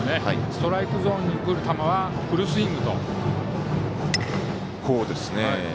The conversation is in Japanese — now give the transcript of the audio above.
ストライクゾーンにくる球はフルスイングと。